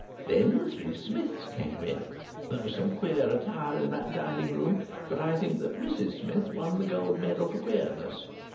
Then the three Smiths came in. There was some queer attire in that dining room, but I think that Mrs Smith won the gold medal for queerness.